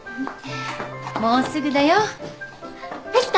もうすぐだよ。できた？